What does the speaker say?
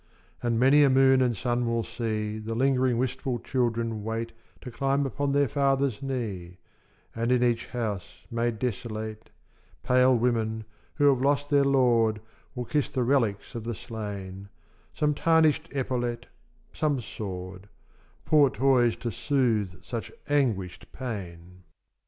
And many a moon and sun will see The lingering wistful children wait To climb upon their father's knee; And in each house made desolate Pale women who have lost their lord Will kiss the relics of the slain— Some tarnished epaulette—some sword— Poor toys to soothe such anguished pain.